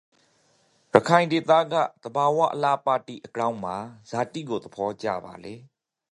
ရခိုင်ဒေသကသဘာအလှအပတိအကြောင်းမှာဇာတိကို သဘောကျပါလဲ?